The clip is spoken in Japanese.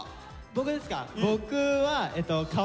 僕ですか？